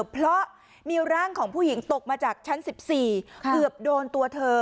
เพราะมีร่างของผู้หญิงตกมาจากชั้น๑๔เกือบโดนตัวเธอ